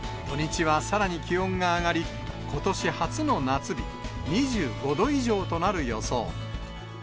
土日はさらに気温が上がり、ことし初の夏日、２５度以上となる予想。